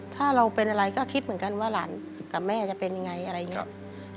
ถ้าเราเป็นอะไรก็คิดเหมือนกันว่าหลานกับแม่จะเป็นยังไงอะไรอย่างนี้